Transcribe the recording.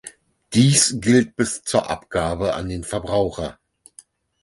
Dies gilt bis zur Abgabe an den Verbraucher.